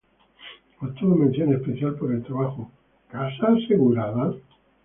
Obtuvo Mención Especial por el trabajo ¿Casa Asegurada?